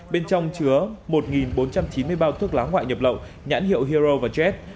bên trong chứa một bốn trăm chín mươi bao thuốc lá ngoại nhập lậu nhãn hiệu hero và jet